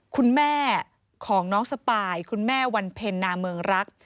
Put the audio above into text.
คุณแม่ของน้องสปายคุณแม่วันเพ็ญนาเมืองรัก